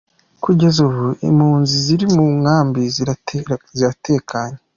Kugeza ubu impunzi ziri mu nkambi ziratekanye.